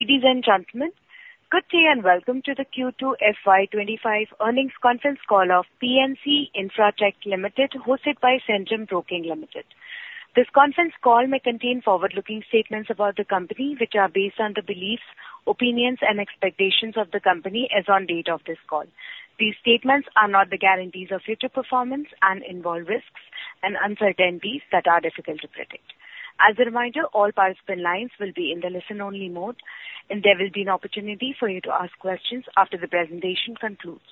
Ladies and gentlemen, good day and welcome to the Q2 FY25 earnings conference call of PNC Infratech Limited, hosted by Centrum Broking Limited. This conference call may contain forward-looking statements about the company, which are based on the beliefs, opinions, and expectations of the company as of the date of this call. These statements are not the guarantees of future performance and involve risks and uncertainties that are difficult to predict. As a reminder, all participant lines will be in the listen-only mode, and there will be an opportunity for you to ask questions after the presentation concludes.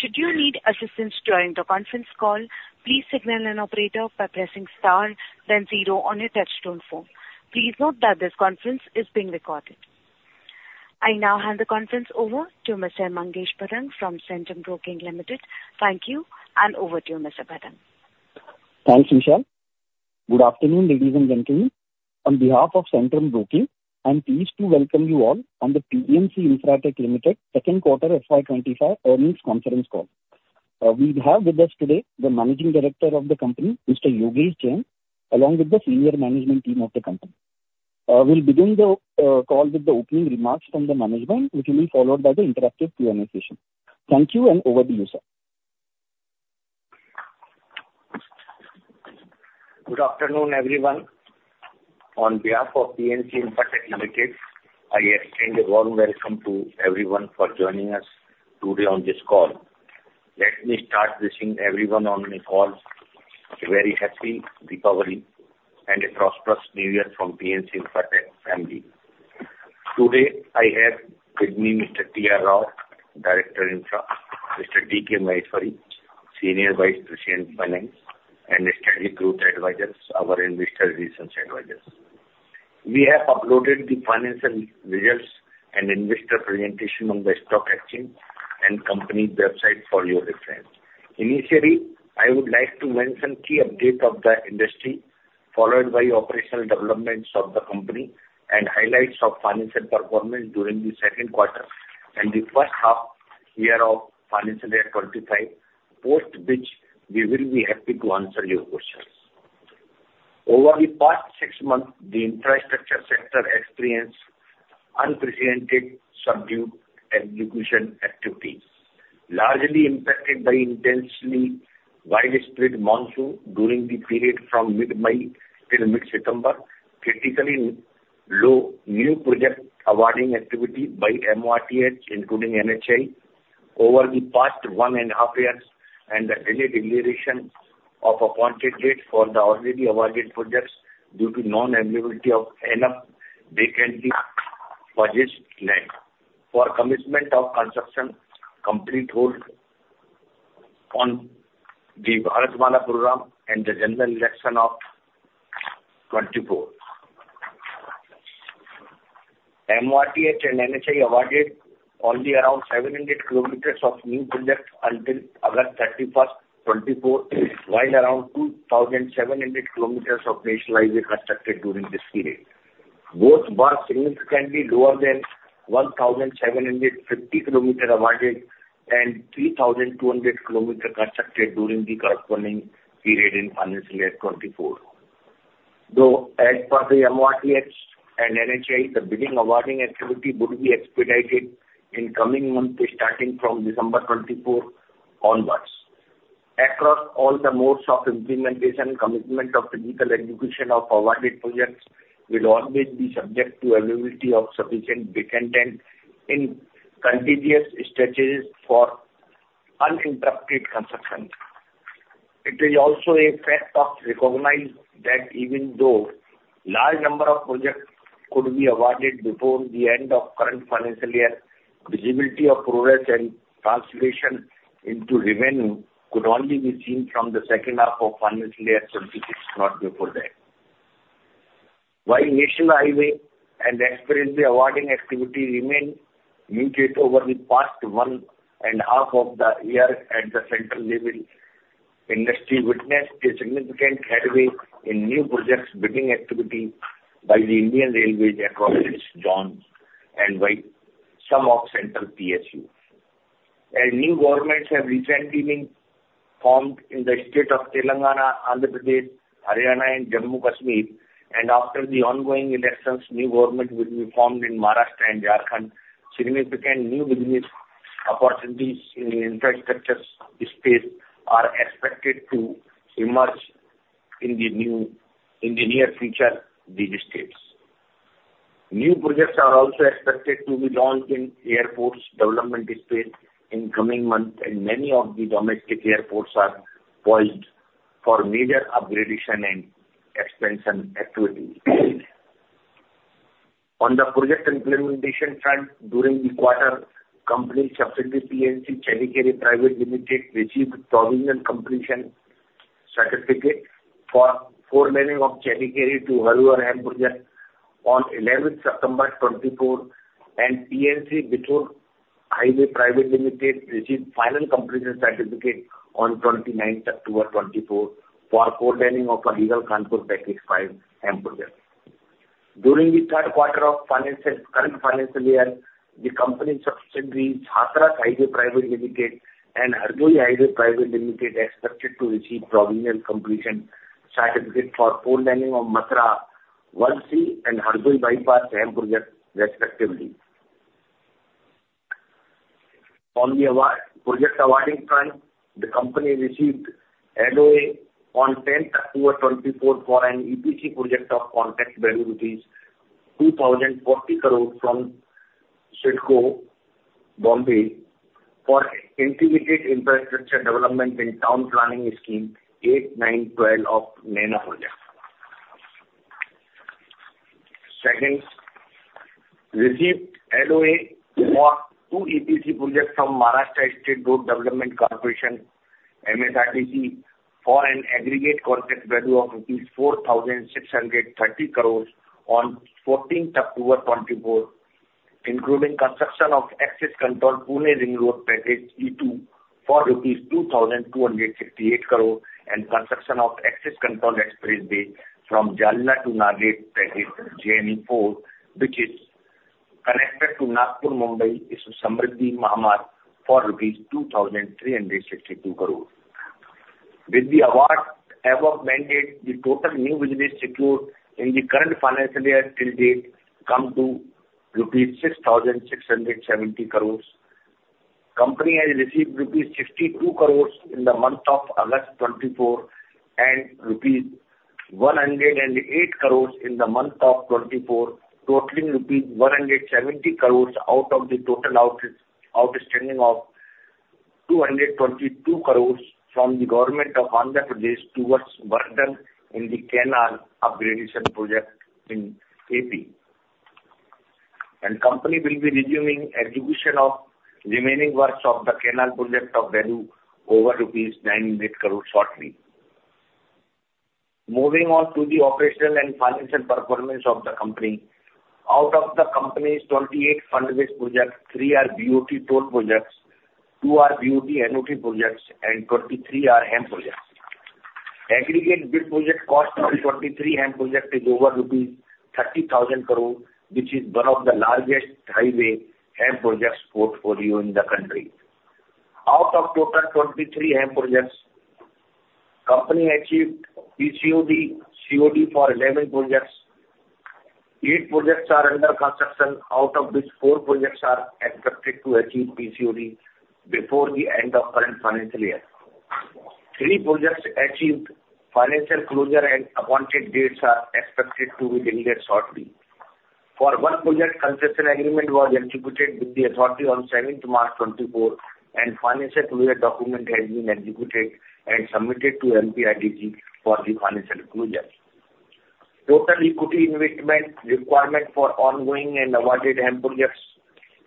Should you need assistance during the conference call, please signal an operator by pressing star, then zero on your touch-tone phone. Please note that this conference is being recorded. I now hand the conference over to Mr. Mangesh Bhadang from Centrum Broking Limited. Thank you, and over to you, Mr. Bhadang. Thanks, Mishal. Good afternoon, ladies and gentlemen. On behalf of Centrum Broking, I'm pleased to welcome you all on the PNC Infratech Limited second quarter FY25 earnings conference call. We have with us today the Managing Director of the company, Mr. Yogesh Jain, along with the senior management team of the company. We'll begin the call with the opening remarks from the management, which will be followed by the interactive Q&A session. Thank you, and over to you, sir. Good afternoon, everyone. On behalf of PNC Infratech Limited, I extend a warm welcome to everyone for joining us today on this call. Let me start wishing everyone on the call a very happy recovery and a prosperous new year from PNC Infratech family. Today, I have with me Mr. T.R. Rao, Director (Infra), Mr. D.K. Maheshwari, Senior Vice President Finance, and SGA, our Investor Relations Advisors. We have uploaded the financial results and investor presentation on the stock exchange and company website for your reference. Initially, I would like to mention key updates of the industry, followed by operational developments of the company, and highlights of financial performance during the second quarter and the first half year of financial year 2025, post which we will be happy to answer your questions. Over the past six months, the infrastructure sector experienced unprecedented subdued execution activities, largely impacted by intensely widespread monsoon during the period from mid-May till mid-September, critically low new project awarding activity by MORTH, including NHAI, over the past one and a half years, and the delayed deliberation of appointed dates for the already awarded projects due to non-availability of enough vacancies for this land. For commitment of construction, complete hold on the Bharatmala program and the general election of 2024. MORTH and NHAI awarded only around 700 km of new projects until August 31, 2024, while around 2,700 km of national highways was constructed during this period. Both were significantly lower than 1,750 km awarded and 3,200 km constructed during the corresponding period in financial year 2024. Though, as per the MORTH and NHAI, the bidding awarding activity would be expedited in coming months, starting from December 2024 onwards. Across all the modes of implementation, commitment of physical execution of awarded projects will always be subject to availability of sufficient land in continuous stretches for uninterrupted construction. It is also a fact worth recognizing that even though a large number of projects could be awarded before the end of the current financial year, visibility of progress and translation into revenue could only be seen from the second half of financial year '26, not before that. While national highway and expressway awarding activity remained muted over the past one and a half years at the central level, industry witnessed a significant headwind in new projects bidding activity by the Indian Railways, across its zones, and by some of central PSUs. New governments have recently been formed in the state of Telangana, Andhra Pradesh, Haryana, and Jammu and Kashmir, and after the ongoing elections, new governments will be formed in Maharashtra and Jharkhand. Significant new business opportunities in the infrastructure space are expected to emerge in the near future in these states. New projects are also expected to be launched in airports development space in coming months, and many of the domestic airports are poised for major upgradation and expansion activities. On the project implementation front, during the quarter, company subsidiary PNC Challakere Hiriyur Highways Private Limited received provisional completion certificate for four lanes of Challakere to Hiriyur project on 11th September 2024, and PNC Bithoor Kanpur Highways Private Limited received final completion certificate on 29th October 2024 for four lanes of Aligarh-Kanpur Package 5 project. During the third quarter of current financial year, the company subsidiaries Hathras Highways Private Limited and Hardoi Highways Private Limited are expected to receive provisional completion certificate for four lanes of Mathura 1C and Hardoi Bypass project, respectively. On the project awarding front, the company received LOA on 10th October 2024 for an EPC project of contract value of 2,040 crores from CIDCO Bombay for integrated infrastructure development in town planning scheme 8912 of NAINA project. Second, received LOA for two EPC projects from Maharashtra State Road Development Corporation, MSRDC, for an aggregate contract value of rupees 4,630 crores on 14th October 2024, including construction of access-controlled Pune Ring Road Package E2 for INR 2,268 crores and construction of access-controlled expressway from Jalna to Nanded Package JNE 4, which is connected to Nagpur, Mumbai, is Samruddhi Mahamarg, for INR 2,362 crores. With the award above mandate, the total new business secured in the current financial year till date comes to rupees 6,670 crores. Company has received rupees 62 crores in the month of August 2024 and rupees 108 crores in the month of 2024, totaling rupees 170 crores out of the total outstanding of 222 crores from the government of Andhra Pradesh towards work done in the Canal upgradation project in AP. Company will be resuming execution of remaining works of the Canal project of value over rupees 98 crores shortly. Moving on to the operational and financial performance of the company. Out of the company's 28 fund-based projects, three are BOT toll projects, two are BOT NOT projects, and 23 are HAM projects. Aggregate bid project cost of 23 HAM projects is over rupees 30,000 crores, which is one of the largest highway HAM projects portfolio in the country. Out of total 23 HAM projects, company achieved PCOD COD for 11 projects. Eight projects are under construction, out of which four projects are expected to achieve PCOD before the end of the current financial year. Three projects achieved financial closure and appointed dates are expected to be delivered shortly. For one project, construction agreement was executed with the authority on 7th March 2024, and financial closure document has been executed and submitted to MPRDC for the financial closure. Total equity investment requirement for ongoing and awarded HAM projects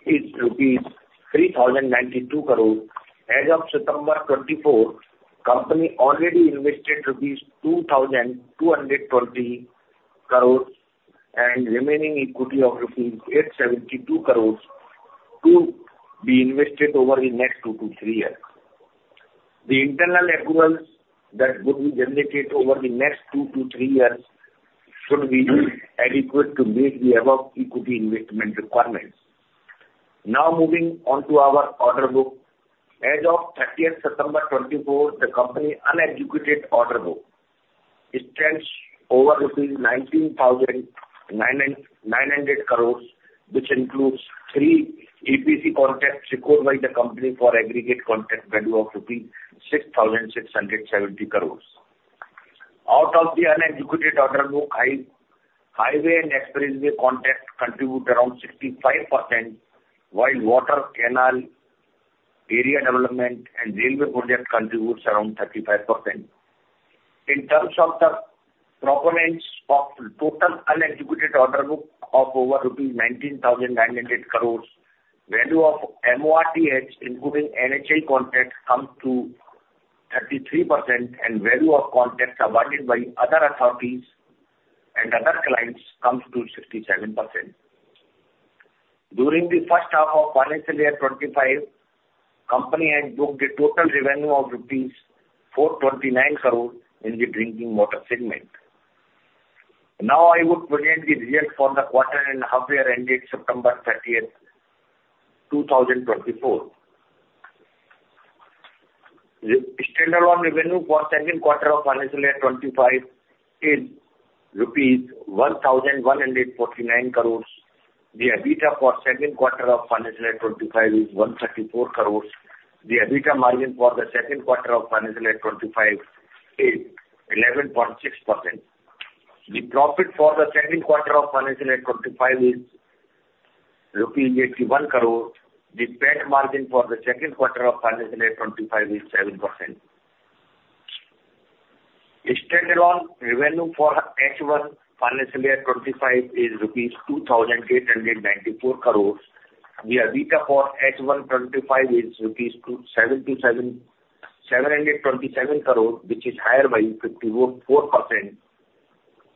is INR 3,092 crores. As of September 24, company already invested INR 2,220 crores and remaining equity of INR 872 crores to be invested over the next two to three years. The internal accruals that would be generated over the next two to three years should be adequate to meet the above equity investment requirements. Now moving on to our order book, as of 30th September 2024, the company's unexecuted order book stands over Rs 19,900 crores, which includes three EPC contracts secured by the company for aggregate contract value of Rs 6,670 crores. Out of the unexecuted order book, highway and expressway contracts contribute around 65%, while water, canal, area development, and railway projects contribute around 35%. In terms of the components of the total unexecuted order book of over Rs 19,900 crores, value of MORTH, including NHAI contracts, comes to 33%, and value of contracts awarded by other authorities and other clients comes to 67%. During the first half of financial year '25, company has booked a total revenue of Rs 429 crores in the drinking water segment. Now I would present the result for the quarter and half year end date September 30, 2024. Standalone revenue for the second quarter of financial year 2025 is INR 1,149 crores. The EBITDA for the second quarter of financial year 2025 is 134 crores. The EBITDA margin for the second quarter of financial year 2025 is 11.6%. The profit for the second quarter of financial year 2025 is INR 81 crores. The PAT margin for the second quarter of financial year 2025 is 7%. Standalone revenue for H1 financial year 2025 is rupees 2,894 crores. The EBITDA for H1 2025 is 727 crores rupees, which is higher by 54%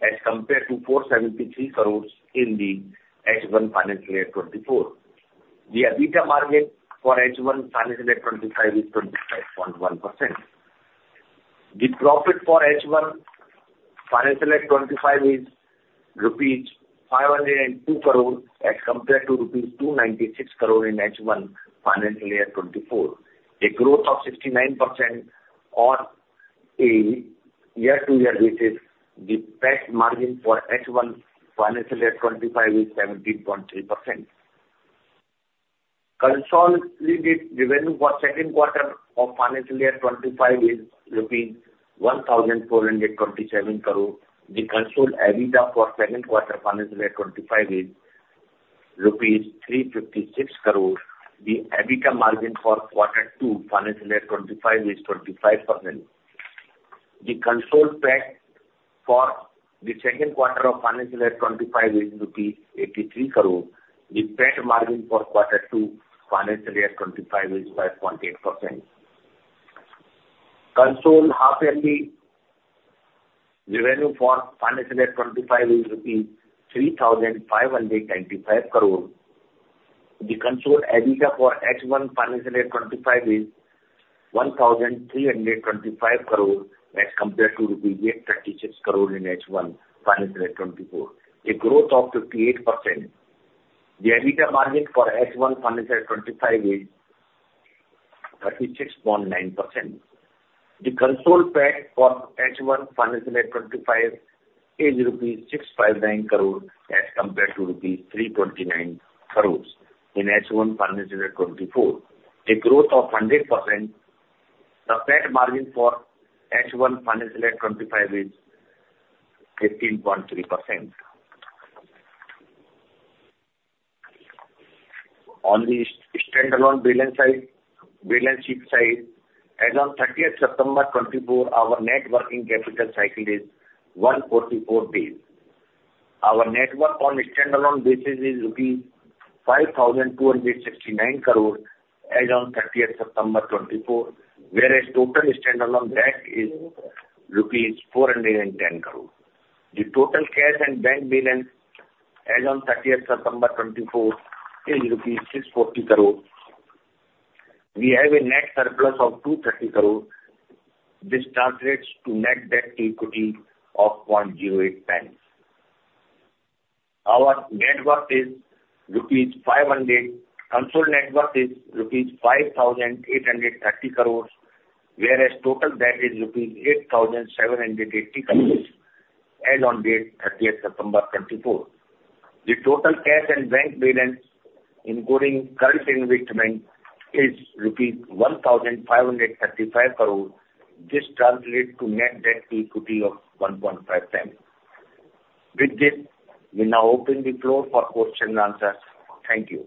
as compared to 473 crores in the H1 financial year 2024. H1 financial year 2025 is 18.3%. On the standalone balance sheet side, as of 30th September 2024, our net working capital cycle is 144 days. Our net worth on standalone basis is Rs 5,269 crores as of 30th September 2024, whereas total standalone bank is Rs 410 crores. The total cash and debt balance as of 30th September 2024 is Rs 640 crores. We have a net surplus of 230 crores. This translates to net debt to equity of 0.08 times. Our net worth is Rs 5,269. Consolidated net worth is Rs 5,830 crores, whereas total debt is Rs 8,780 crores as of 30th September 2024. The total cash and bank balance, including current investment, is Rs 1,535 crores. This translates to net debt to equity of 1.5 times. With this, we now open the floor for questions and answers. Thank you.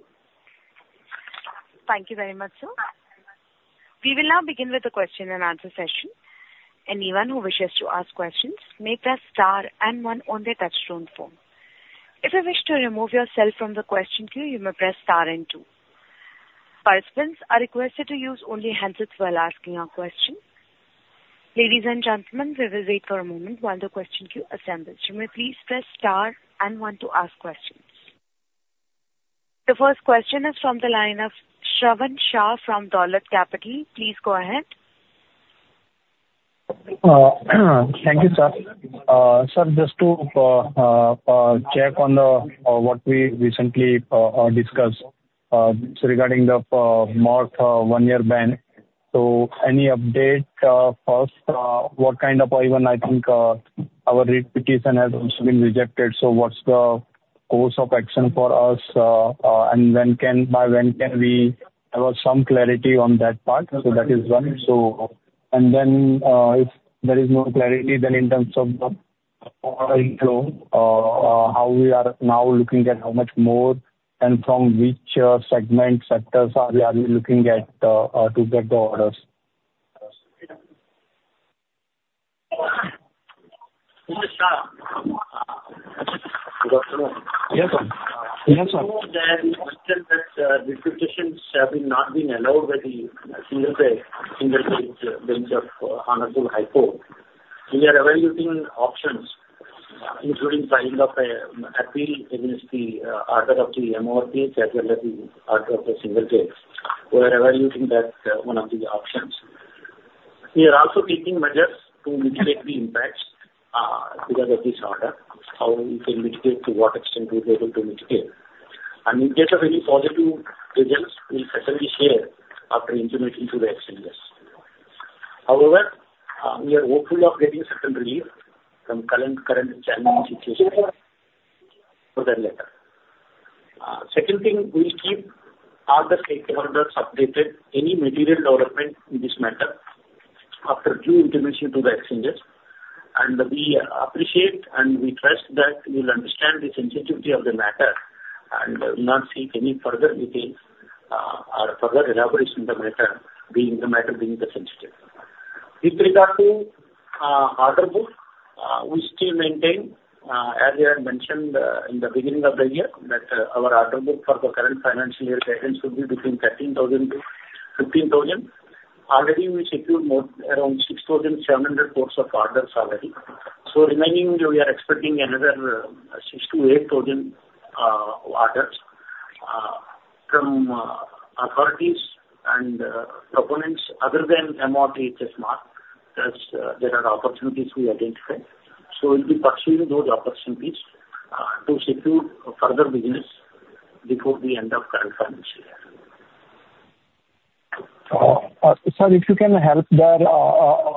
Thank you very much. We will now begin with the question and answer session. Anyone who wishes to ask questions may press star and one on the touchscreen phone. If you wish to remove yourself from the question queue, you may press star and two. Participants are requested to use only handsets while asking a question. Ladies and gentlemen, we will wait for a moment while the question queue assembles. You may please press star and one to ask questions. The first question is from the line of Shravan Shah from Dolat Capital. Please go ahead. Thank you, sir. Sir, just to check on what we recently discussed regarding the marked one-year ban. So any update for us? What kind of even, I think, our repeat has been rejected. So what's the course of action for us? And by when can we have some clarity on that part? So that is one. And then if there is no clarity, then in terms of how we are now looking at how much more and from which segment sectors we are looking at to get the orders? We understand that re-tendering has not been allowed by the single judge in the case of Allahabad High Court. We are evaluating options, including filing of an appeal against the order of the MORTH as well as the order of the single judge. We are evaluating that one of the options. We are also taking measures to mitigate the impacts because of this order. How we can mitigate to what extent we are able to mitigate. And in case of any positive results, we'll certainly share after intimating to the exchanges. However, we are hopeful of getting certain relief from current challenging situation for that matter. Second thing, we'll keep all the stakeholders updated. Any material development in this matter after due intimation to the exchanges. We appreciate and we trust that you'll understand the sensitivity of the matter and will not seek any further details or further elaboration on the matter, being the matter sensitive. With regard to order book, we still maintain, as I had mentioned in the beginning of the year, that our order book for the current financial year guidance would be between 13,000-15,000. Already, we secured around 6,700 crores of orders. So remaining, we are expecting another 6-8,000 orders from authorities and proponents other than MORTH. There are opportunities we identified. So we'll be pursuing those opportunities to secure further business before the end of the current financial year. Sir, if you can help there,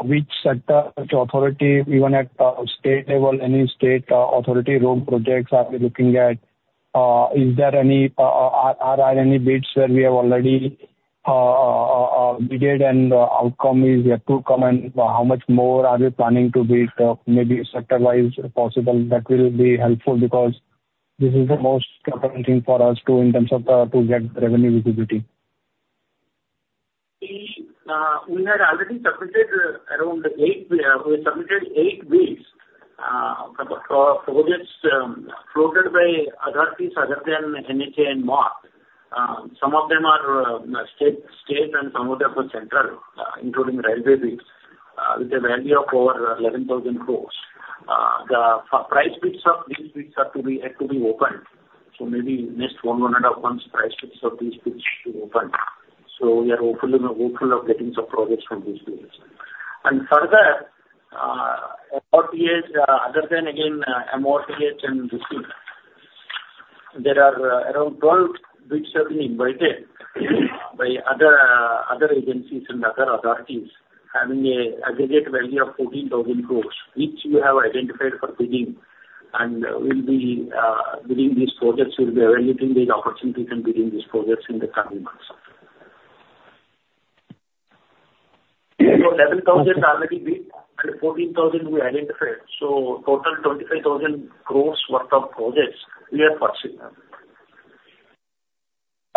which sector, which authority, even at state level, any state authority road projects are we looking at? Are there any bids where we have already bid and the outcome is yet to come? And how much more are we planning to bid, maybe sector-wise possible? That will be helpful because this is the most important thing for us too in terms of to get revenue visibility. We have already submitted around eight bids for projects floated by authorities other than NHAI and MORTH. Some of them are state and some of them are central, including railway bids, with a value of over 11,000 crores. The price bids of these bids have to be opened. So maybe next one and a half months, price bids of these bids should open. So we are hopeful of getting some projects from these bids. And further, MORTH, other than again MORTH and this one, there are around 12 bids that have been invited by other agencies and other authorities, having an aggregate value of 14,000 crores, which we have identified for bidding. And we'll be bidding these projects. We'll be evaluating these opportunities and bidding these projects in the coming months. So 11,000 already bid and 14,000 we identified. So total 25,000 crores worth of projects we are pursuing.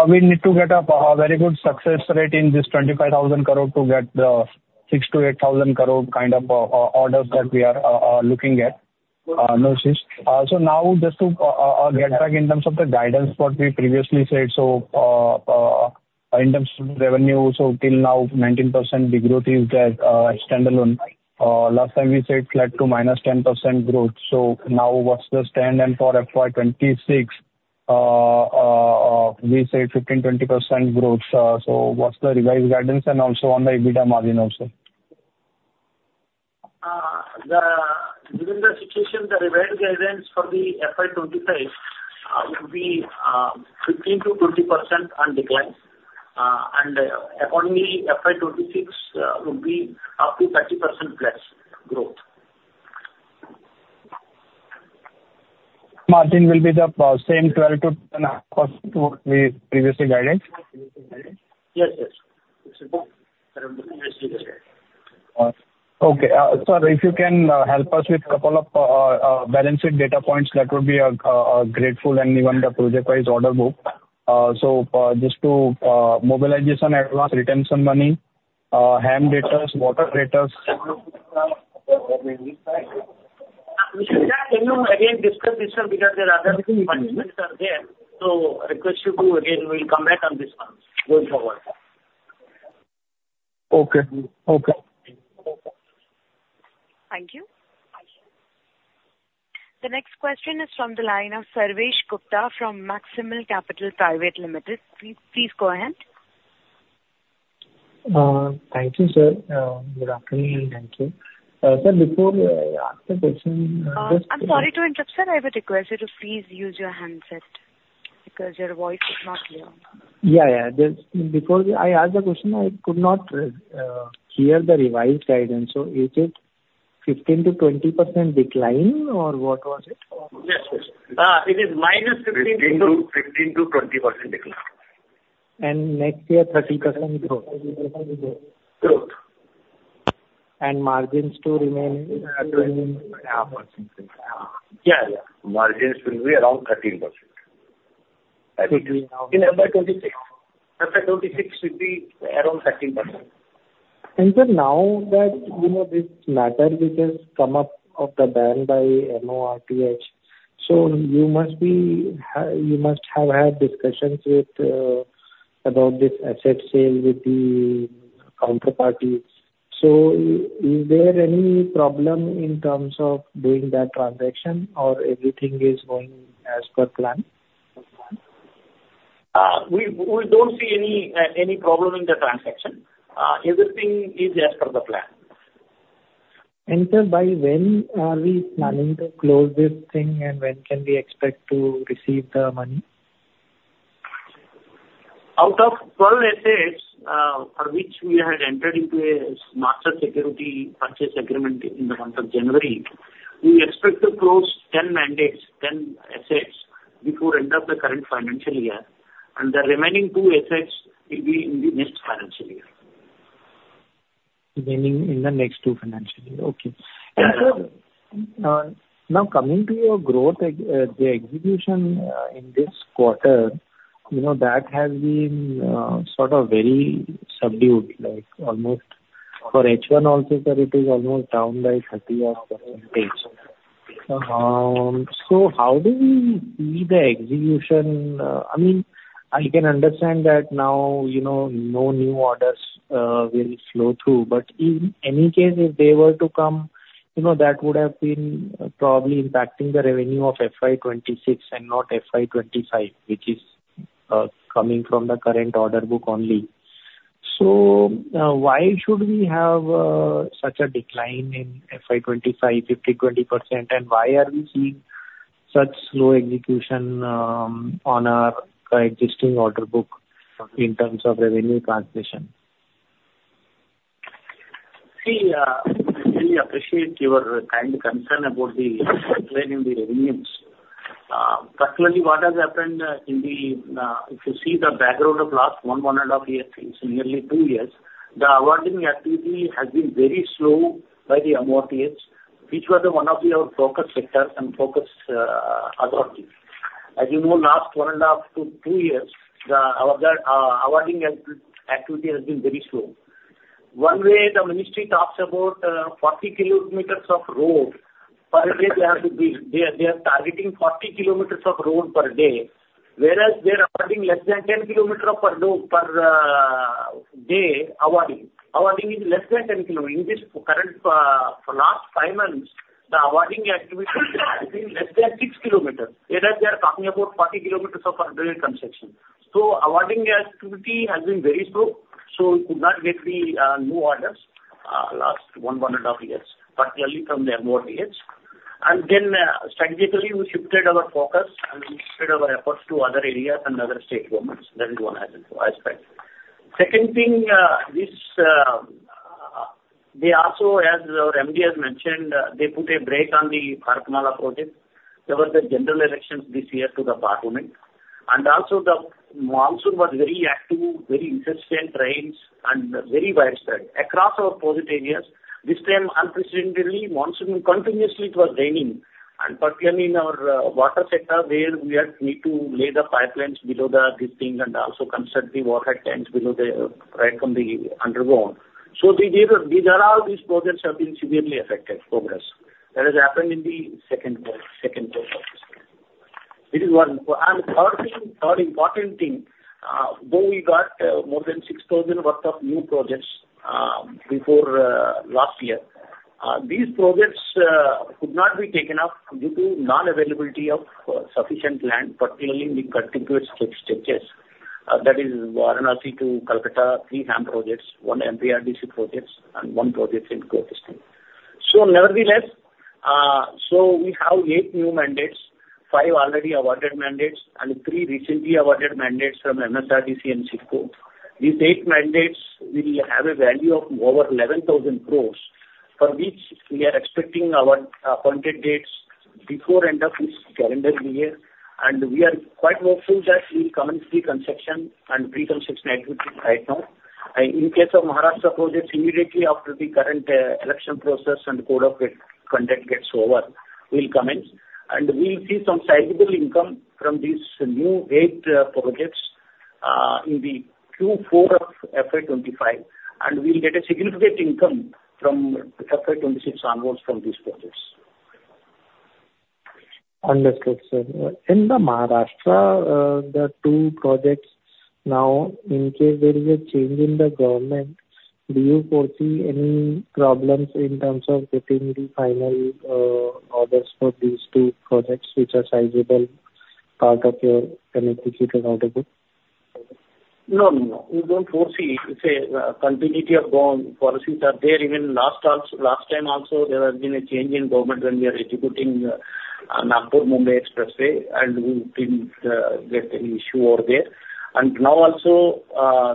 We need to get a very good success rate in this 25,000 crores to get the 6 to 8,000 crores kind of orders that we are looking at. So now, just to get back in terms of the guidance, what we previously said. So in terms of revenue, so till now, 19% growth is the standalone. Last time we said flat to minus 10% growth. So now, what's the stance for FY26? We said 15%-20% growth. So what's the revised guidance? And also on the EBITDA margin also? Within the situation, the revised guidance for the FY25 would be 15%-20% on decline. And accordingly, FY26 would be up to 30% plus growth. Margin, will be the same 12%-10% we previously guided? Yes, yes. Okay. Sir, if you can help us with a couple of balance sheet data points, that would be grateful. And even the project-wise order book. So just to mobilize this on advance retention money, HAM data, water data. We can again discuss this one because there are other requirements out there. So request you to again, we'll come back on this one going forward. Okay. Okay. Thank you. The next question is from the line of Sarvesh Gupta from Maximal Capital Private Limited. Please go ahead. Thank you, sir. Good afternoon. Thank you. Sir, before I ask the question, just. I'm sorry to interrupt, sir. I would request you to please use your handset because your voice is not clear. Yeah, yeah. Before I asked the question, I could not hear the revised guidance. So is it 15%-20% decline or what was it? Yes. It is minus 15%-20% decline. And next year, 13% growth? Growth. And margins to remain at. Yeah, yeah. Margins will be around 13%. In MY26. MY26 should be around 13%. And sir, now that this matter which has come up of the ban by MORTH, so you must have had discussions about this asset sale with the counterparties. So is there any problem in terms of doing that transaction or everything is going as per plan? We don't see any problem in the transaction. Everything is as per the plan. Sir, by when are we planning to close this thing and when can we expect to receive the money? Out of 12 assets for which we had entered into a master security purchase agreement in the month of January, we expect to close 10 mandates, 10 assets before the end of the current financial year. And the remaining two assets will be in the next financial year. Meaning in the next two financial years. Okay. Sir, now coming to your growth, the execution in this quarter, that has been sort of very subdued. Almost for H1 also, sir, it is almost down by 30%. So how do we see the execution? I mean, I can understand that now no new orders will flow through. But in any case, if they were to come, that would have been probably impacting the revenue of FY26 and not FY25, which is coming from the current order book only. So why should we have such a decline in FY25, 15%-20%? And why are we seeing such slow execution on our existing order book in terms of revenue transmission? See, I really appreciate your kind concern about the decline in the revenues. Personally, what has happened in the, if you see the background of last one and a half years, nearly two years, the awarding activity has been very slow by the MORTH, which was one of our focus sectors and focus authorities. As you know, last one and a half to two years, our awarding activity has been very slow. One way the ministry talks about 40 kilometers of road per day. They are targeting 40 kilometers of road per day, whereas they are awarding less than 10 kilometers per day awarding. Awarding is less than 10 kilometers. In this current, for last five months, the awarding activity has been less than 6 kilometers, whereas they are talking about 40 kilometers of per day construction. So awarding activity has been very slow. So we could not get the new orders last one and a half years, particularly from the MORTH. And then strategically, we shifted our focus and we shifted our efforts to other areas and other state governments. That is one aspect. Second thing, they also, as our MD has mentioned, they put a brake on the Bharatmala project. There were the general elections this year to the parliament. And also, the monsoon was very active, very insistent rains, and very widespread across our project areas. This time, unprecedentedly, monsoon continuously was raining. And particularly in our water sector, where we need to lay the pipelines below this thing and also construct the water tanks right from the underground. So all these projects have been severely affected, progress. That has happened in the second quarter. This is one. And third thing, third important thing, though we got more than 6,000 worth of new projects before last year, these projects could not be taken up due to non-availability of sufficient land, particularly in the contiguous stretches. That is Varanasi to Kolkata, three HAM projects, one MPRDC project, and one project in Gujarat. So nevertheless, we have eight new mandates, five already awarded mandates, and three recently awarded mandates from MSRDC and CIDCO. These eight mandates will have a value of over 11,000 crores for which we are expecting our appointed dates before the end of this calendar year. We are quite hopeful that we will commence the construction and pre-construction activities right now. In case of Maharashtra projects, immediately after the current election process and code of conduct gets over, we'll commence. We'll see some sizable income from these new eight projects in the Q4 of FY25. We'll get a significant income from FY26 onwards from these projects. Understood, sir. In the Maharashtra, the two projects now, in case there is a change in the government, do you foresee any problems in terms of getting the final orders for these two projects, which are sizable part of your order book? No, no, no. We don't foresee. It's a continuity of going. Policies are there. Even last time also, there has been a change in government when we are executing Nagpur-Mumbai Expressway, and we didn't get any issue over there and now also,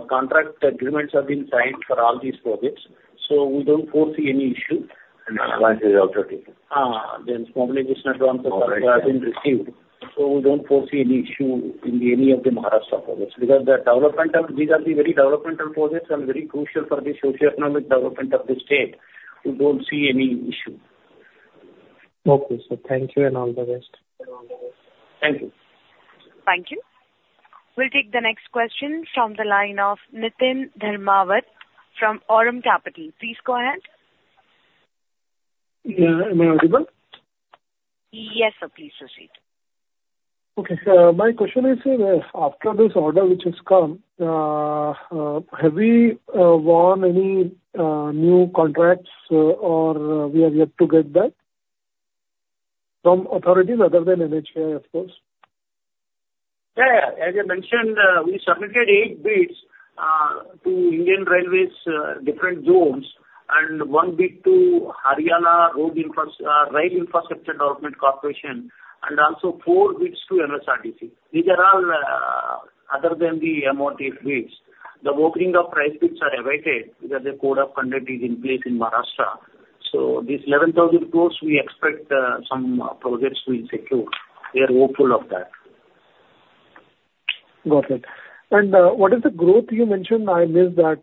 contract agreements have been signed for all these projects. So we don't foresee any issue. And advance is also taken. The mobilization advance has been received. So we don't foresee any issue in any of the Maharashtra projects because these are the very developmental projects and very crucial for the socioeconomic development of the state. We don't see any issue. Okay. So thank you and all the best. Thank you. Thank you. We'll take the next question from the line of Niteen Dharmawat from Aurum Capital. Please go ahead. May I be able? Yes, sir. Please proceed. Okay. My question is, after this order which has come, have we won any new contracts or we have yet to get that from authorities other than NHAI, of course? Yeah, yeah. As I mentioned, we submitted eight bids to Indian Railways, different zones, and one bid to Haryana Rail Infrastructure Development Corporation, and also four bids to MSRDC. These are all other than the MORTH bids. The opening of price bids are awaited because the code of conduct is in place in Maharashtra. So these 11,000 crores, we expect some projects will secure. We are hopeful of that. Got it. And what is the growth you mentioned? I missed that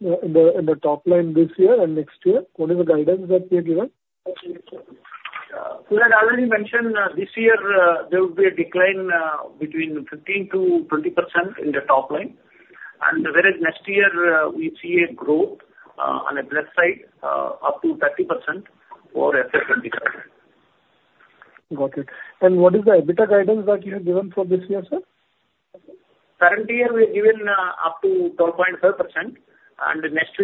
in the top line this year and next year. What is the guidance that you have given? We had already mentioned this year there will be a decline between 15%-20% in the top line. And whereas next year, we see a growth on the plus side up to 30% for FY25. Got it. And what is the EBITDA guidance that you have given for this year, sir? Current year, we have given up to 12.5%. And next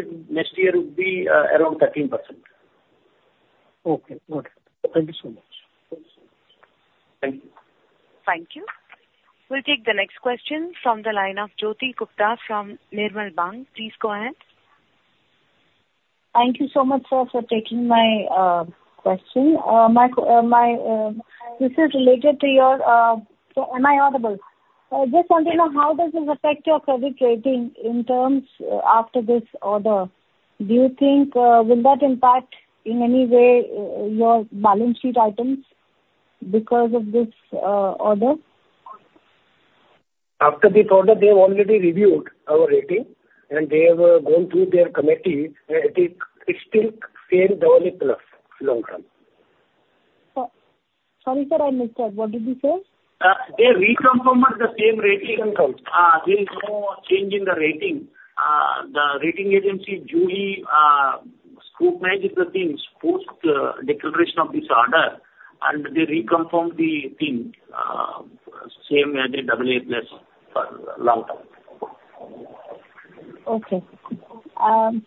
year would be around 13%. Okay. Got it. Thank you so much. Thank you. Thank you. We'll take the next question from the line of Jyoti Gupta from Nirmal Bang. Please go ahead. Thank you so much, sir, for taking my question. This is related to your—so am I audible? I just want to know how does this affect your credit rating in terms after this order? Do you think will that impact in any way your balance sheet items because of this order? After this order, they have already reviewed our rating, and they have gone through their committee. It still stays double A plus long term. Sorry, sir, I missed that. What did you say? They reconfirmed the same rating. There is no change in the rating. The rating agency, Julie, scrutinized the thing, post-declaration of this order, and they reconfirmed the thing same as a double A plus for long term. Okay.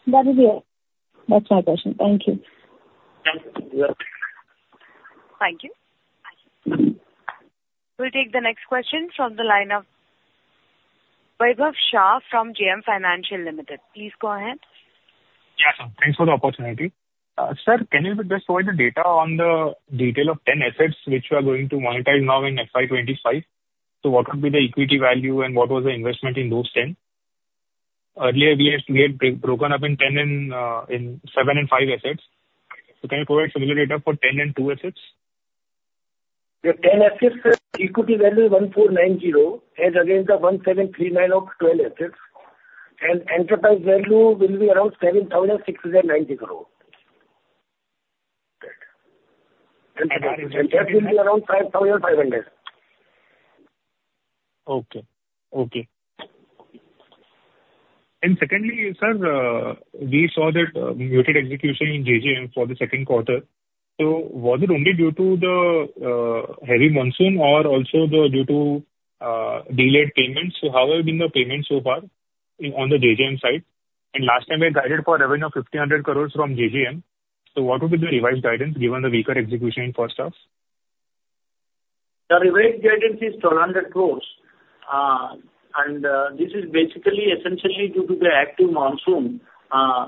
That is it. That's my question. Thank you. Thank you. Thank you. We'll take the next question from the line of Bhupinder Shah from JM Financial Limited. Please go ahead. Yes, sir. Thanks for the opportunity. Sir, can you just provide the data on the detail of 10 assets which you are going to monetize now in FY25? So what would be the equity value, and what was the investment in those 10? Earlier, we had broken up in seven and five assets. So can you provide similar data for 10 and two assets? The 10 assets, equity value is 1,490 crores, and again, the 1,739 crores of 12 assets. And enterprise value will be around 7,690 crores. And that will be around 5,500 crores. Okay. Okay. And secondly, sir, we saw that muted execution in JJM for the second quarter. So was it only due to the heavy monsoon or also due to delayed payments? So how have been the payments so far on the JJM side? And last time, we had guided for revenue of 1,500 crores from JJM. So what would be the revised guidance given the weaker execution in first half? The revised guidance is 1,200 crores. And this is basically essentially due to the active monsoon.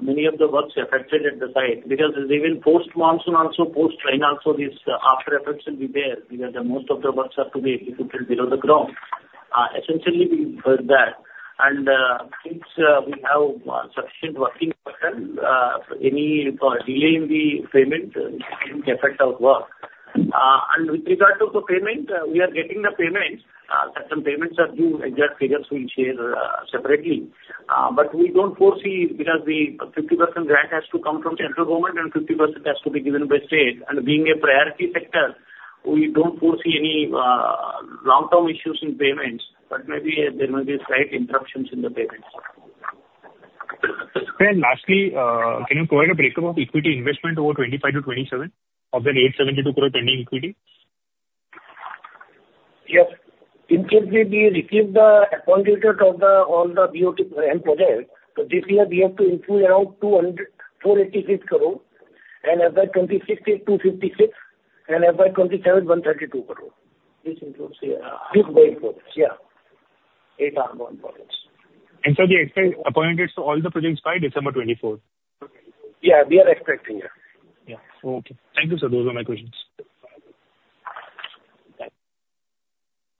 Many of the works are affected at the site because it's even post-monsoon, also post-rain, also this after-effects will be there because most of the works are to be executed below the ground. Essentially, we heard that. And since we have sufficient working capital, any delay in the payment would affect our work. And with regard to the payment, we are getting the payments. Certain payments are due. Exact figures we'll share separately. But we don't foresee because the 50% grant has to come from the central government, and 50% has to be given by state. And being a priority sector, we don't foresee any long-term issues in payments. But maybe there will be slight interruptions in the payments. And lastly, can you provide a breakup of equity investment over 25 to 27 of that 872 crore pending equity? Yes. In case we receive the Appointed Date of all the BOT projects, this year we have to include around 486 crores, and FY26 is 256, and FY27 is 132 crores. This includes these going forward. Yeah. Eight ongoing projects. And so they expect appointments to all the projects by December 24? Yeah. We are expecting, yeah. Yeah. Okay. Thank you, sir. Those are my questions.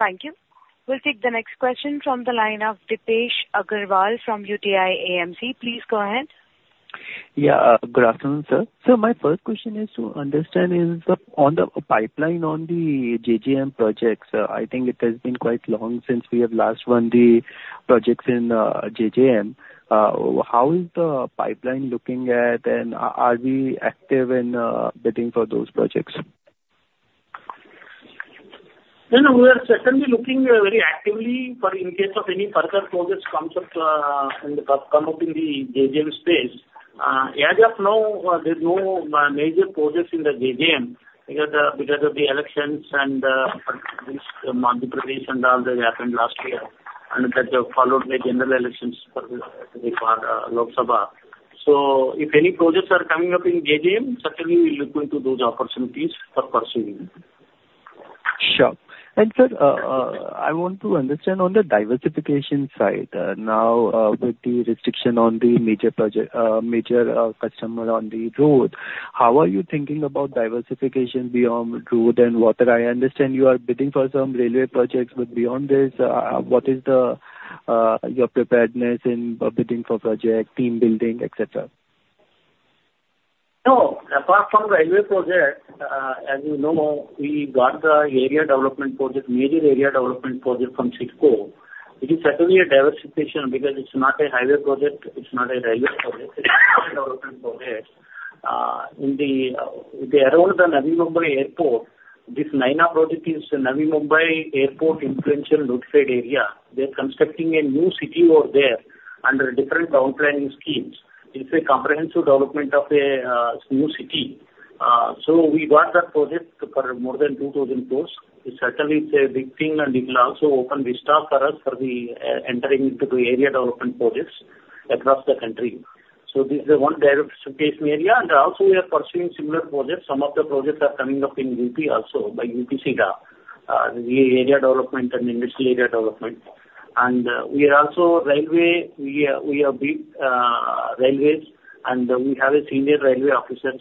Thank you. We'll take the next question from the line of Dipesh Agarwal from UTI AMC. Please go ahead. Yeah. Good afternoon, sir. So my first question is to understand is on the pipeline on the JJM projects. I think it has been quite long since we have last run the projects in JJM. How is the pipeline looking at, and are we active in bidding for those projects? No, no. We are certainly looking very actively for in case of any further projects come up in the JJM space. As of now, there's no major projects in the JJM because of the elections and Madhya Pradesh and all that happened last year. And that followed by general elections for the Lok Sabha. So if any projects are coming up in JJM, certainly we'll look into those opportunities for pursuing. Sure. And sir, I want to understand on the diversification side. Now, with the restriction on the major customer on the road, how are you thinking about diversification beyond road and water? I understand you are bidding for some railway projects, but beyond this, what is your preparedness in bidding for projects, team building, etc.? No. Apart from railway projects, as you know, we got the area development project, major area development project from CIDCO. It is certainly a diversification because it's not a highway project. It's not a railway project. It's an area development project. With the aura of the Navi Mumbai Airport, this NAINA project is Navi Mumbai Airport Influence Notified Area. They're constructing a new city over there under different town planning schemes. It's a comprehensive development of a new city. So we got that project for more than 2,000 crores. It certainly is a big thing, and it will also open the stock for us for the entering into the area development projects across the country. So this is the one diversification area. And also, we are pursuing similar projects. Some of the projects are coming up in UP also by UPSIDA, the area development and industrial area development. And we are also railway. We have built railways, and we have a senior railway officer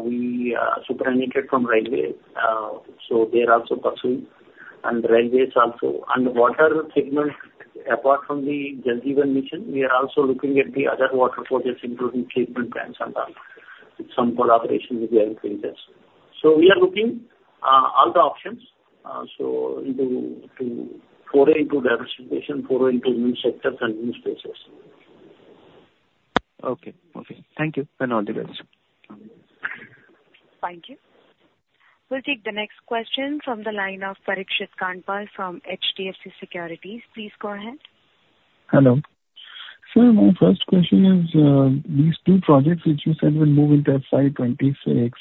we supervise from railway. So they are also pursuing. And railways also. And the water segment, apart from the JJM mission, we are also looking at the other water projects, including treatment plants and some collaboration with the infrastructure. So we are looking at all the options. So to foray into diversification, foray into new sectors and new spaces. Okay. Okay. Thank you. All the best. Thank you. We'll take the next question from the line of Parikshit Kandpal from HDFC Securities. Please go ahead. Hello. Sir, my first question is these two projects which you said will move into FY26.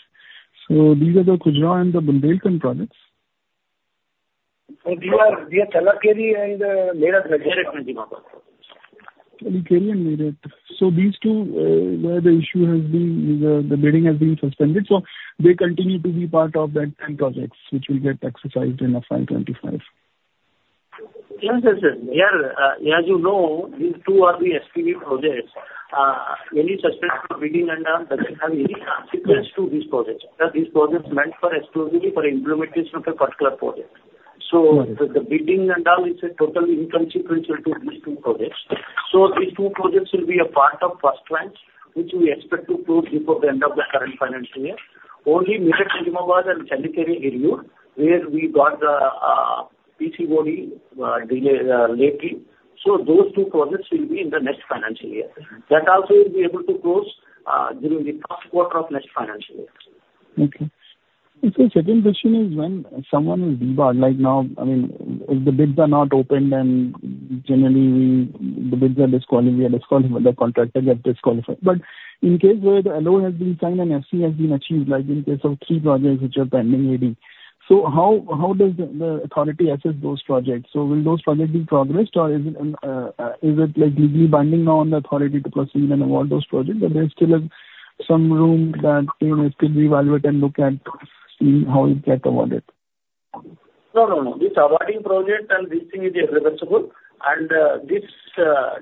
So these are the Khajuraho and the Bundelkhand projects? They are Challakere and Meerut projects. Challakere and Meerut. So these two where the issue has been, the bidding has been suspended. So they continue to be part of that and projects which will get executed in FY25? Yes, yes, yes. As you know, these two are the SPV projects. Any suspension of bidding and award doesn't have any consequence to these projects because these projects meant for exclusively for implementation of a particular project. So the bidding and award is a total inconsequential to these two projects. So these two projects will be a part of first tranche which we expect to close before the end of the current financial year. Only Meerut and Najibabad and areas where we got the PCOD delay lately. So those two projects will be in the next financial year. That also will be able to close during the first quarter of next financial year. Okay. So second question is when someone will debar. Like now, I mean, if the bids are not opened and generally the bids are disqualified, the contractor gets disqualified. But in case where the LOA has been signed and FC has been achieved, like in case of three projects which are pending AD, so how does the authority assess those projects? So will those projects be progressed, or is it legally binding now on the authority to pursue and award those projects? Or there's still some room that they will still reevaluate and look at how it gets awarded? No, no, no. This awarding project and this thing is irreversible. And this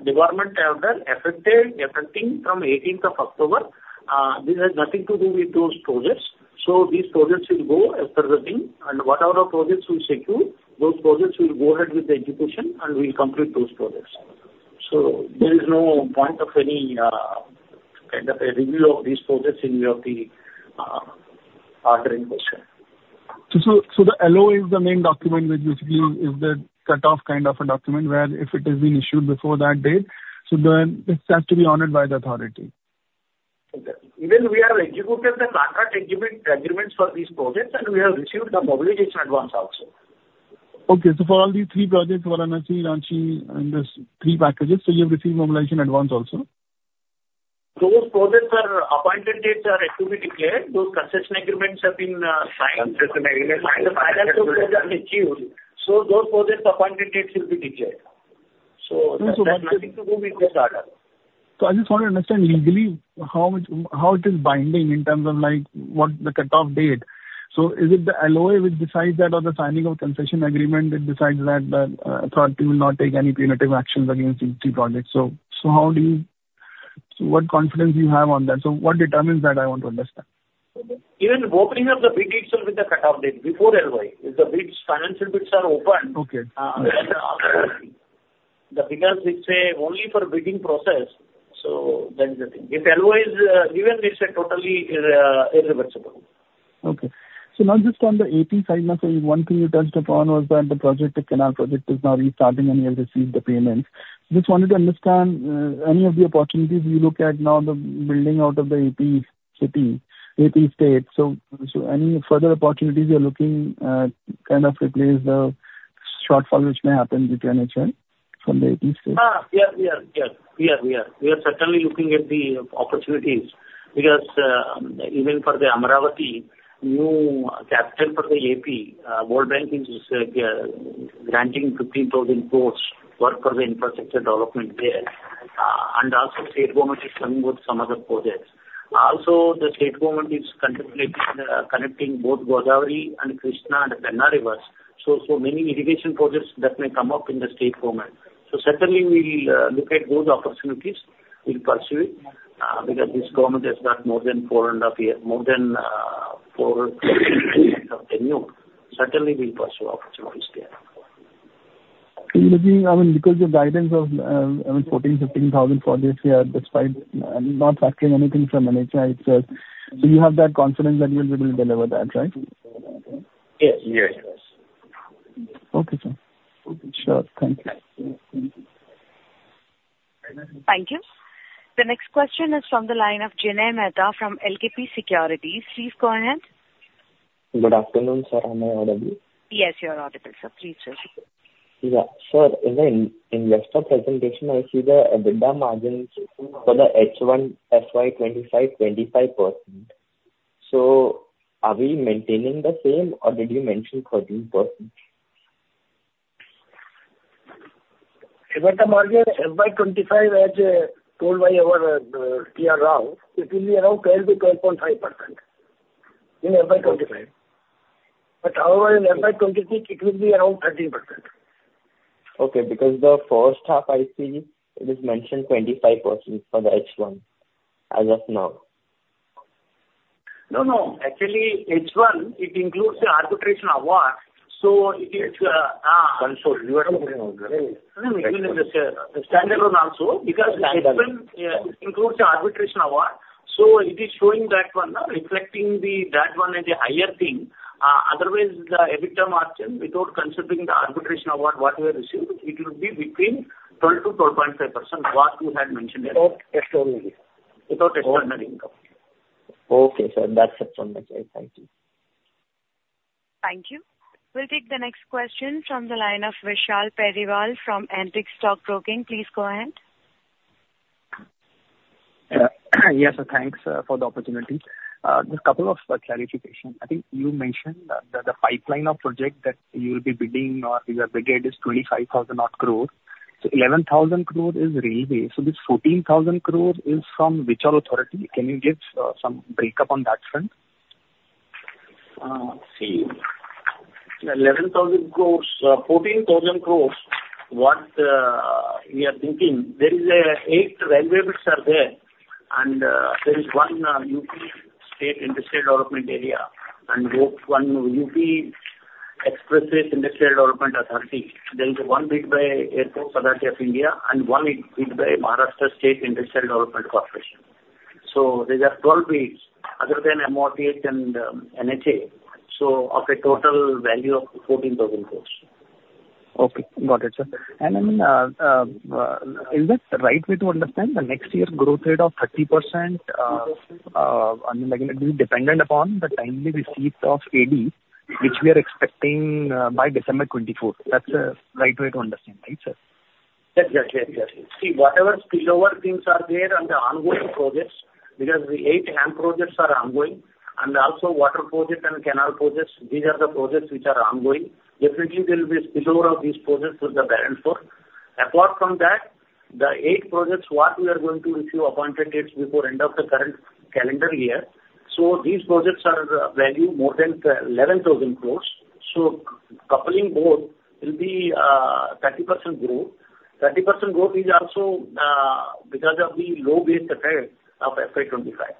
department have been affecting from 18th of October. This has nothing to do with those projects. So these projects will go as per the thing. And whatever projects we secure, those projects will go ahead with the execution and we'll complete those projects. So there is no point of any kind of a review of these projects in view of the ordering question. So the LOA is the main document which basically is the cut-off kind of a document where if it has been issued before that date, so then it has to be honored by the authority. Even we have executed the contract agreements for these projects, and we have received the mobilization advance also. Okay. So for all these three projects, Varanasi, Ranchi, and these three packages, so you have received mobilization advance also? Those projects' appointed dates are to be declared. Those concession agreements have been signed. Concession agreements are signed. And the financial closure is secured. So those projects' appointed dates will be declared. So that has nothing to do with this order. So I just want to understand legally how it is binding in terms of what the cut-off date. So is it the LOA which decides that or the signing of concession agreement that decides that the authority will not take any punitive actions against these three projects? So what confidence do you have on that? So what determines that? I want to understand. Even opening of the bid itself with the cut-off date before LOA is the bids. Financial bids are open. Okay. The figures which say only for bidding process, so that is the thing. If LOA is given, it's totally irreversible. Okay. So now just on the AP side, so one thing you touched upon was that the project, the canal project, is now restarting and you have received the payments. Just wanted to understand any of the opportunities you look at now, the building out of the AP city, AP state. So any further opportunities you're looking at kind of replace the shortfall which may happen with your NHAI from the AP state? Yeah, yeah, yeah. We are certainly looking at the opportunities because even for the Amaravati, new capital for the AP, World Bank is granting 15,000 crores for the infrastructure development there. And also state government is coming with some other projects. Also, the state government is contemplating connecting both Godavari and Krishna and the Pennar rivers. So many irrigation projects that may come up in the state government. So certainly, we will look at those opportunities. We'll pursue it because this government has got more than four and a half years, more than four and a half years of tenure. Certainly, we'll pursue opportunities there. I mean, because your guidance of 14, 15,000 projects here, despite not factoring anything from NHI itself, so you have that confidence that you will be able to deliver that, right? Yes, yes, yes. Okay, sir. Sure. Thank you. Thank you. The next question is from the line of Jinay Mehta from LKP Securities. Please go ahead. Good afternoon, sir. Am I audible? Yes, you're audible, sir. Please go ahead. Yeah. Sir, in the investor presentation, I see the bidder margins for the H1 FY25, 25%. So are we maintaining the same, or did you mention 13%? If the margin FY25 as told by our PRR, it will be around 12-12.5% in FY25. But however, in FY26, it will be around 13%. Okay. Because the first half, I see it is mentioned 25% for the H1 as of now. No, no. Actually, H1, it includes the arbitration award. So it is. I'm sorry. You are shaking your head. No, no. It will be just a standalone also because H1 includes the arbitration award. So it is showing that one, reflecting that one as a higher thing. Otherwise, the EBITDA margin without considering the arbitration award, what we have received, it will be between 12-12.5%, what you had mentioned earlier. Without extraordinary income. Okay, sir. That's it from my side. Thank you. Thank you. We'll take the next question from the line of Vishal Periwal from Antique Stock Broking. Please go ahead. Yes, sir. Thanks for the opportunity. Just a couple of clarifications. I think you mentioned that the pipeline of project that you will be bidding or your bid is 25,000 crores. So 11,000 crores is railway. So this 14,000 crores is from which authority? Can you give some breakup on that front? Let's see. 11,000 crores, 14,000 crores, what we are thinking, there is eight railway bids are there. And there is one UP State Industrial Development Authority and one UP Expressways Industrial Development Authority. There is one bid by Airports Authority of India and one bid by Maharashtra State Road Development Corporation. So there are 12 bids, other than MORTH and NHAI. So of a total value of 14,000 crores. Okay. Got it, sir. And I mean, is that the right way to understand the next year growth rate of 30%? I mean, again, it will be dependent upon the timely receipt of AD, which we are expecting by December 24. That's the right way to understand, right, sir? Yes, yes, yes, yes. See, whatever spillover things are there and the ongoing projects because the eight HAM projects are ongoing. And also water project and canal projects, these are the projects which are ongoing. Definitely, there will be spillover of these projects with the parallel work. Apart from that, the eight projects, what we are going to receive appointed dates before end of the current calendar year. So these projects are valued more than 11,000 crores. So coupling both will be 30% growth. 30% growth is also because of the low base effect of FY25. Right. Got it, sir.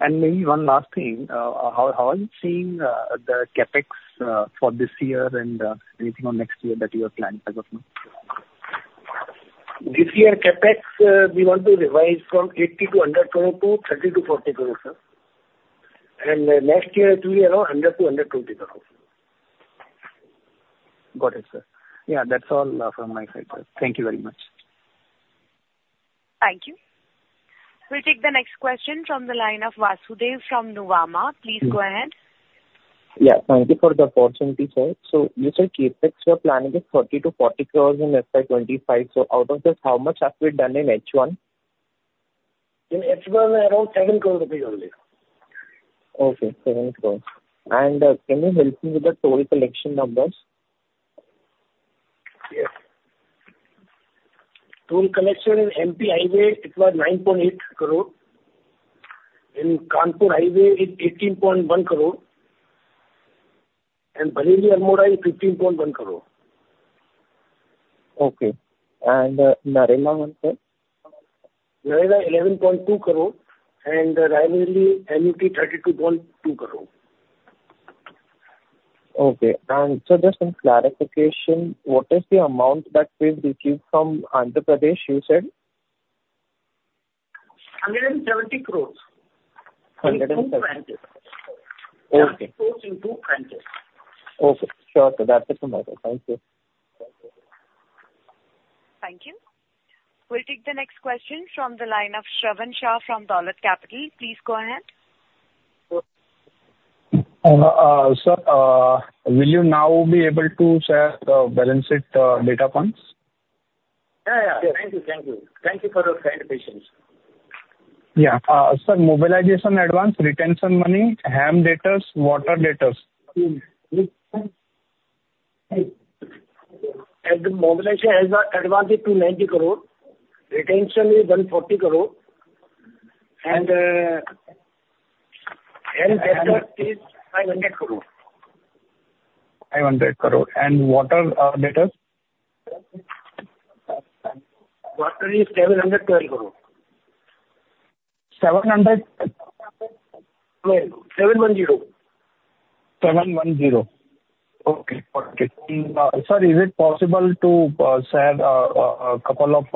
And maybe one last thing. How are you seeing the CapEx for this year and anything on next year that you have planned as of now? This year, CapEx, we want to revise from 80-122, 30-40 crores, sir. And next year, it will be around 100-120 crores. Got it, sir. Yeah, that's all from my side, sir. Thank you very much. Thank you. We'll take the next question from the line of Vasudev from Nuvama. Please go ahead. Yeah. Thank you for the opportunity, sir. So you said CapEx you are planning is 30-40 crores in FY25. So out of this, how much have we done in H1? In H1, around 7 crores only. Okay. 7 crores. And can you help me with the toll collection numbers? Yes. Toll collection in MP Highway, it was 9.8 crores. In Kanpur Highway, it's 18.1 crores. And Bareilly-Almora is INR 15.1 crores. Okay. And Narela one, sir? Narela, INR 11.2 crores. And Raebareli, Annuity, INR 32.2 crores. Okay. And so just some clarification, what is the amount that we've received from Andhra Pradesh, you said? 170 crores. 170. Okay. And it goes into 20. Okay. Sure. So that's it from my side. Thank you. Thank you. We'll take the next question from the line of Shravan Shah from Dolat Capital. Please go ahead. Sir, will you now be able to share the balance sheet data points? Yeah, yeah. Thank you. Thank you. Thank you for your kind patience. Yeah. Sir, mobilization advance, retention money, HAM datas, water datas. And the mobilization advance is 290 crores. Retention is 140 crores. And HAM datas is 500 crores. 500 crores. And water datas? Water is INR 712 crores. 700? 710. 710. Okay. Okay. Sir, is it possible to share a couple of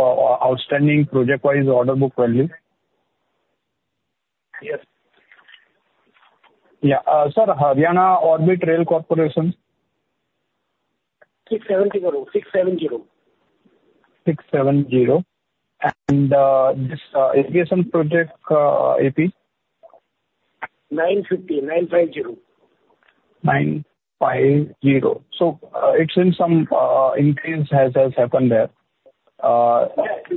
outstanding project-wise order book value? Yes. Sir, Haryana Orbital Rail Corporation? 670 crores. And this irrigation project AP? 950 crores. So it seems some increase has happened there. There was a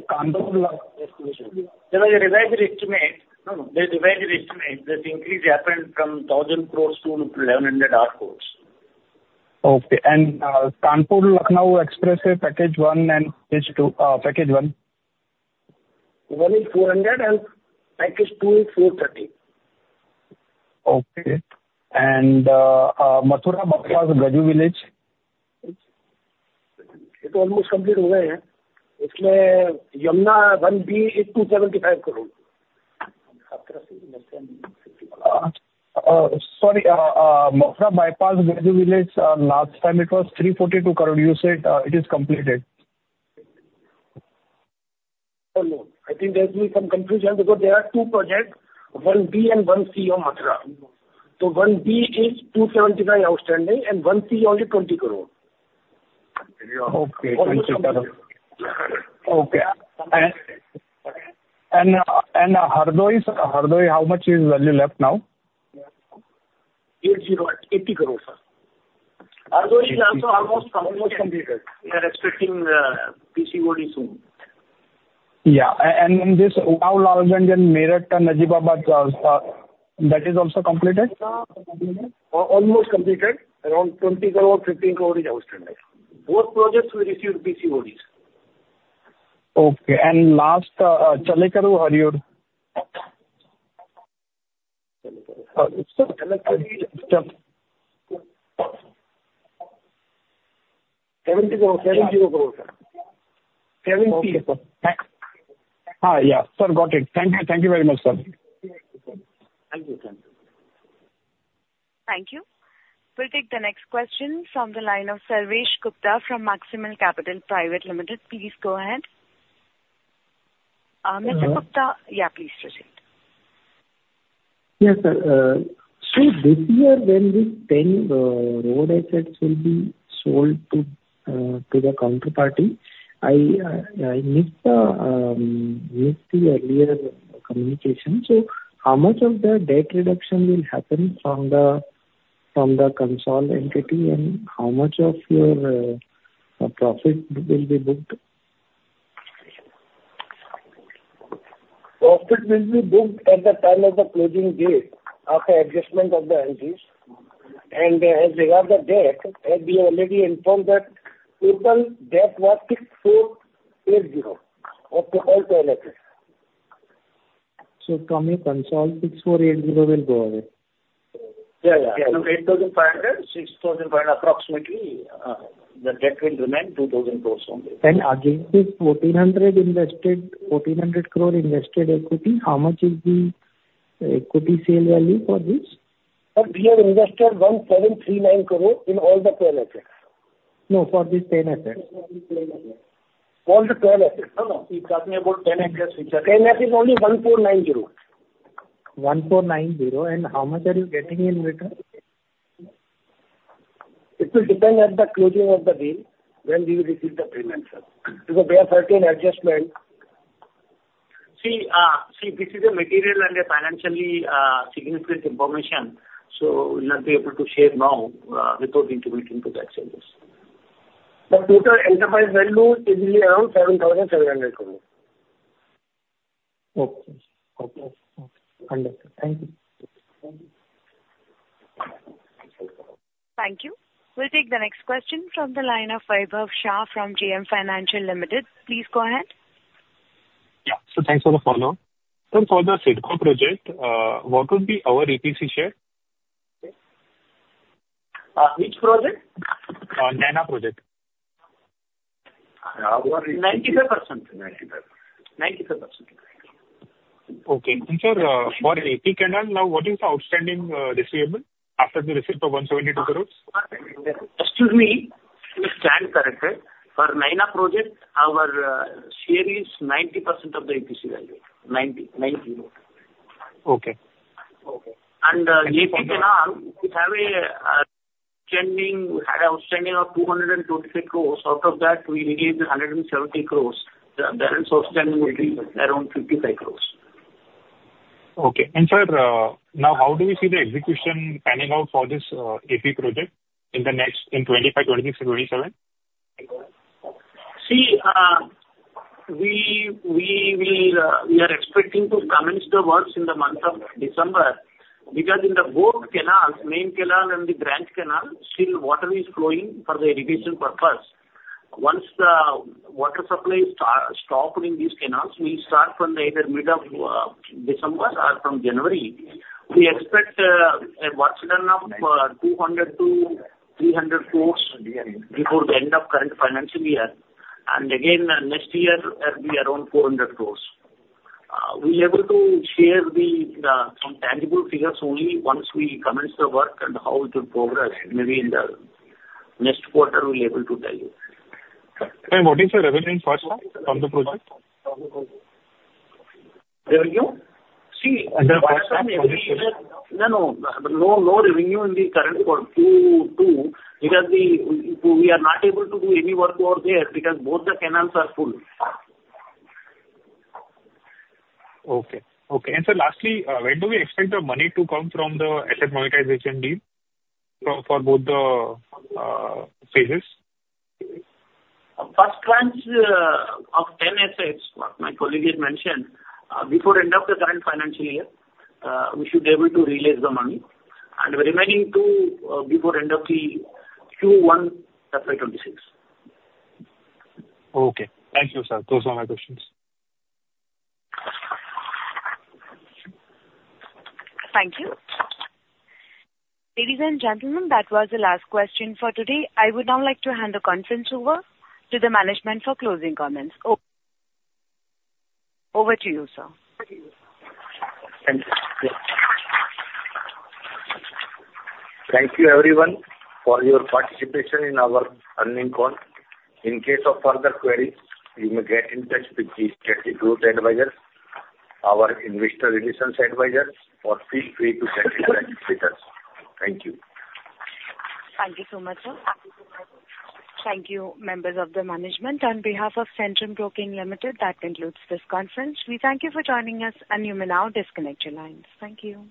revised estimate. No, no. There's a revised estimate. The increase happened from 1,000 crores to 1,100 crores. Okay. And Kanpur-Lucknow Expressway Package 1 and Package 2? Package 1? One is 400 and Package 2 is 430. Okay. And Mathura Bypass Gaju Village? It's almost complete over here. It's Yamuna 1B, it's 275 crores. Sorry. Mathura Bypass Gaju Village, last time it was 342 crores. You said it is completed. No, no. I think there's been some confusion because there are two projects, 1B and 1C of Mathura. So 1B is 275 outstanding and 1C only 20 crores. Okay. Okay. Hardoi, sir. Hardoi, how much is value left now? 80. 80 crores, sir. Hardoi is also almost completed. They are expecting PCOD soon. Yeah. And this Unnao, Lalganj, Meerut, and Najibabad, that is also completed? Almost completed. Around 20 crores, 15 crores is outstanding. Both projects will receive PCODs. Okay. And last, Challakere, Hiriyur? 70 crores. 70 crores, sir. 70. Okay, sir. Thanks. Yeah. Sir, got it. Thank you. Thank you very much, sir. Thank you. Thank you. Thank you. We'll take the next question from the line of Sarvesh Gupta from Maximal Capital Private Limited. Please go ahead. Mr. Gupta? Yeah, please proceed. Yes, sir. So this year, when this 10 road assets will be sold to the counterparty, I missed the earlier communication. So how much of the debt reduction will happen from the consolidated entity and how much of your profit will be booked? Profit will be booked at the time of the closing date after adjustment of the NCDs. As regards the debt, as we already informed that total debt was 6,480 of the all to NHs. So from your consolidated, 6,480 will go away? Yeah, yeah. So 8,500, 6,500, approximately, the debt will remain 2,000 crores only. Against this 1,400 invested, 1,400 crore invested equity, how much is the equity sale value for this? We have invested 1,739 crores in all the 12 assets. No, for these 10 assets. All the 12 assets. No, no. He's talking about 10 assets. 10 assets, only 1,490. 1,490. And how much are you getting in return? It will depend at the closing of the deal when we will receive the payment, sir. Because we have certain adjustments. See, this is a material and a financially significant information. So we will not be able to share now without intervening into the exchanges. The total enterprise value is around INR 7,700 crores. Okay. Okay. Understood. Thank you. Thank you. We'll take the next question from the line of Vaibhav Shah from JM Financial Limited. Please go ahead. Yeah. So thanks for the follow-up. Sir, for the CIDCO project, what would be our EPC share? Which project? NAINA project. 95%. 95%. 95%. Okay. And sir, for AP canal, now what is the outstanding receivable after the receipt of 172 crores? Excuse me. To state correctly, for NAINA project, our share is 90% of the EPC value. 90. 90. Okay. Okay. And AP canal, we have an outstanding of 225 crores. Out of that, we received 170 crores. The balance outstanding will be around 55 crores. Okay. Sir, now how do we see the execution panning out for this UP project in the next 25, 26, and 27? See, we are expecting to commence the works in the month of December because in both canals, main canal and the branch canal, still water is flowing for the irrigation purpose. Once the water supply is stopped in these canals, we'll start from either mid of December or from January. We expect a works done of 200-300 crores before the end of current financial year. And again, next year, it will be around 400 crores. We'll be able to share some tangible figures only once we commence the work and how it will progress. Maybe in the next quarter, we'll be able to tell you. What is the revenue in first term from the project? Revenue? See, the first term, no, no. No revenue in the current Q2 because we are not able to do any work over there because both the canals are full. Okay. Okay. And sir, lastly, when do we expect the money to come from the asset monetization deal for both the phases? First tranche of 10 assets, what my colleague had mentioned, before end of the current financial year, we should be able to release the money. And the remaining two before end of Q1, FY26. Okay. Thank you, sir. Those are my questions. Thank you. Ladies and gentlemen, that was the last question for today. I would now like to hand the conference over to the management for closing comments. Over to you, sir. Thank you. Thank you, everyone, for your participation in our earnings call. In case of further queries, you may get in touch with the Strategic Growth Advisors, our investor relations advisers, or feel free to get in touch with us. Thank you. Thank you so much, sir. Thank you, members of the management. On behalf of Centrum Broking Limited, that concludes this conference. We thank you for joining us, and you may now disconnect your lines. Thank you.